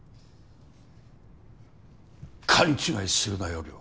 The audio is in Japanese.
勘違いするなよ涼。